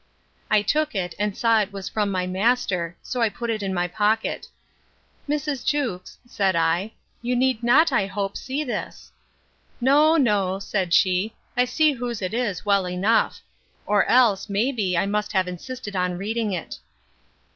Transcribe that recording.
I took it, and saw it was from my master; so I put it in my pocket. Mrs. Jewkes, said I, you need not, I hope, see this. No, no, said she, I see whose it is, well enough; or else, may be, I must have insisted on reading it.